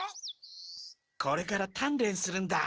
これからたんれんするんだ。